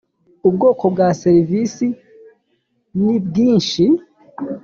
ubwoko bwa serivisi nibwishi.